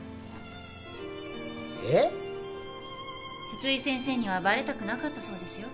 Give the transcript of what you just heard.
津々井先生にはバレたくなかったそうですよ。